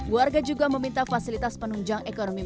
warga juga meminta fasilitas penemuan dan penemuan yang lebih kuat